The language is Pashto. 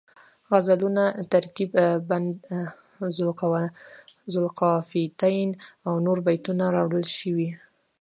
غزلونه، ترکیب بند ذوالقافیتین او نور بیتونه راوړل شوي